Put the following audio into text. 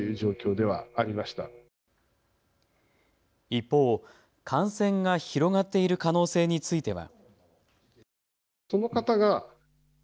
一方、感染が広がっている可能性については。